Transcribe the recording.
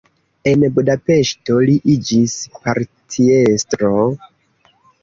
En Budapeŝto li iĝis partiestro.